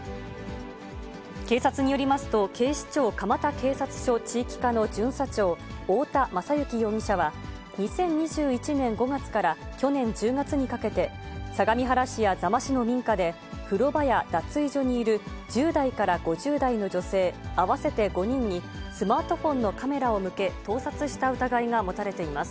警察によりますと、警視庁蒲田警察署地域課の巡査長、太田優之容疑者は、２０２１年５月から去年１０月にかけて、相模原市や座間市の民家で、風呂場や脱衣所にいる１０代から５０代の女性合わせて５人に、スマートフォンのカメラを向け、盗撮した疑いが持たれています。